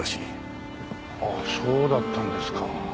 ああそうだったんですか。